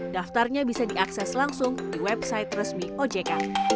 daftarnya bisa diakses langsung di website resmi ojk